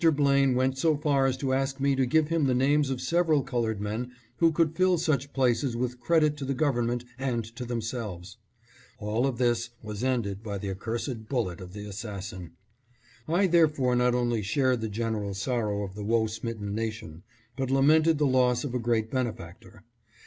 Blaine went so far as to ask me to give him the names of several colored men who could fill such places with credit to the Government and to themselves. All this was ended by the accursed bullet of the assassin. I therefore not only shared the general sorrow of the woe smitten nation, but lamented the loss of a great benefactor.